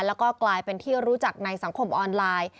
แล้วก็กลายเป็นที่รู้จักในสังคมออนไลน์